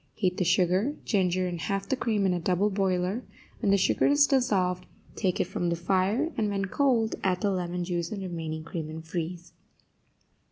Heat the sugar, ginger and half the cream in a double boiler; when the sugar is dissolved, take it from the fire, and, when cold, add the lemon juice and remaining cream, and freeze.